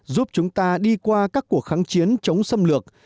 giúp chúng ta đi qua các cuộc kháng chiến chống xâm lược